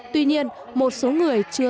tuy nhiên một số người chưa